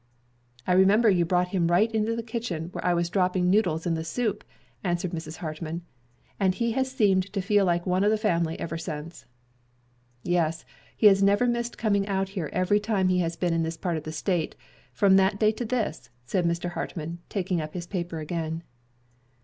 "I remember you brought him right into the kitchen where I was dropping noodles in the soup," answered Mrs. Hartmann, "and he has seemed to feel like one of the family ever since." "Yes, he has never missed coming out here every time he has been in this part of the State, from that day to this," said Mr. Hartmann, taking up his paper again.